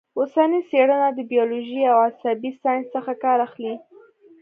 اوسنۍ څېړنه د بیولوژۍ او عصبي ساینس څخه کار اخلي